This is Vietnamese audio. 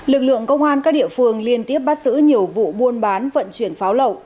lực lượng công an các địa phương liên tiếp bắt giữ nhiều vụ buôn bán vận chuyển pháo lậu